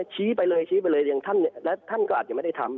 ชี้ไปเลยท่านก็อาจไม่ได้ทำ